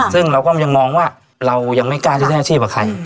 ซึ่งเราก็มองว่าเรายังไม่กล้าใช้แรกชีพกับใคร